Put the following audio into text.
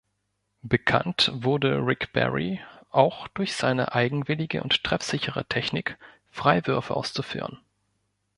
Bekannt wurde Rick Barry auch durch seine eigenwillige und treffsichere Technik, Freiwürfe auszuführen.